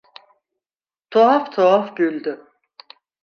Tuhaf tuhaf güldü: